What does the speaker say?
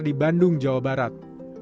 di bandung jawa barat